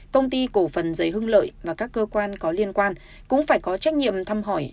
công ty cổ phần giấy hưng lợi và các cơ quan có liên quan cũng phải có trách nhiệm thăm hỏi